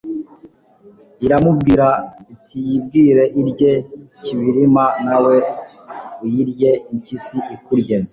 iramubwira itiyibwire irye ... kibirima, nawe uyirye, impyisi ikurye